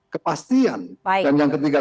kepastian dan yang ketiga